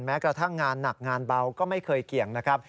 แม้กระทั่งงานหนักงานเบาก็ไม่เคยเกี่ยงนะครับ